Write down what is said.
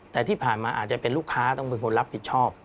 แต่ที่ผ่านมาอาจจะเป็นลูกค้าต้องเป็นคนรับผิดชอบ